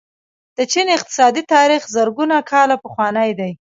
د چین اقتصادي تاریخ زرګونه کاله پخوانی دی.